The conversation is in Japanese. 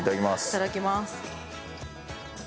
いただきます。